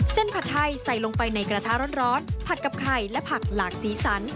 ผัดไทยใส่ลงไปในกระทะร้อนผัดกับไข่และผักหลากสีสัน